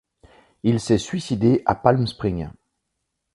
Il s'est suicidé à Palm Spring.